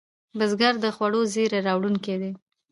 بزګر د خوړو زېری راوړونکی دی